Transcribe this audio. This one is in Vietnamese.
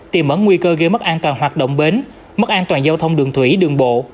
tìm ẩn nguy cơ gây mất an toàn hoạt động bến mất an toàn giao thông đường thủy đường bộ